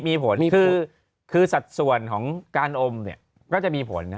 มีผลคือสัดส่วนของการอมก็จะมีผลนะ